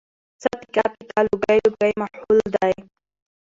څه پيکه پيکه لوګی لوګی ماحول دی